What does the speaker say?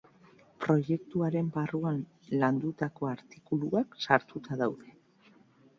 Proiektu haren barruan landutako artikuluak sartuta daude.